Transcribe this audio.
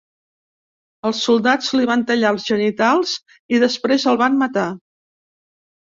Els soldats li van tallar els genitals i després el van matar.